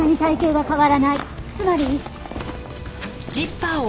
つまり。